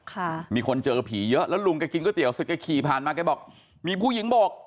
ค่ะมีคนเจอผีเยอะแล้วลุงแกกินก๋วเตี๋เสร็จแกขี่ผ่านมาแกบอกมีผู้หญิงโบก